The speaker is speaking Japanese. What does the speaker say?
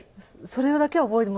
それだけは覚えて。